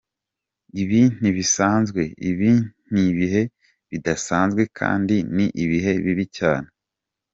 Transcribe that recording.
"Ibi ntibisanzwe, ibi ni ibihe bidasanzwe kandi ni ibihe bibi cyane.